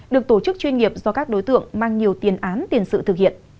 được tổ chức chuyên nghiệp do các đối tượng mang nhiều tiền án tiền sự thực hiện